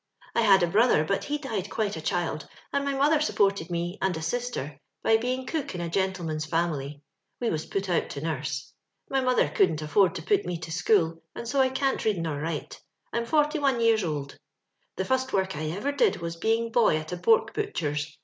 I had a brother, but he died quite a chUd, and my mother supported me and a sister by being cook in a gentleman's family : we was put out to nurse. My mother couldn't afford to put me to school, and so I can't read nor write. I'm forty one years old. "The fust work I ever did was being boy at a pork butcher's.